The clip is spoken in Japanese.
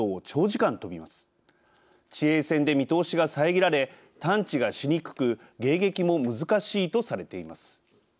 地平線で見通しが遮られ探知がしにくく迎撃も難しいとされています。